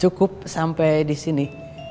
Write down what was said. cukup sampai disini